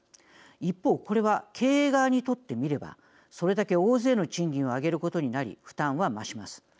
一方、これは経営側にとって見ればそれだけ大勢の賃金を上げることになり負担は増します。